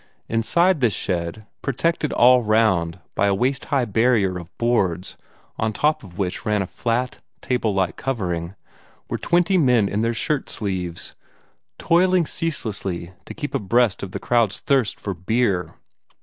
Inside this shed, protected all round by a waist high barrier of boards, on top of which ran a flat, table like covering, were twenty men in their shirt sleeves, toiling ceaselessly to keep abreast of the crowd's thirst for beer.